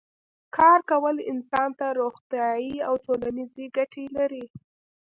کار کول انسان ته روغتیایی او ټولنیزې ګټې لري